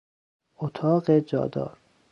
اتاق جادار